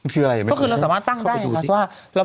คืออะไร